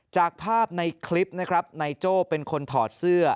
จากภาพในคลิปนะครับนายโจ้เป็นคนถอดเสื้อ